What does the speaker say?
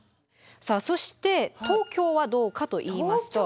さあそして東京はどうかといいますと。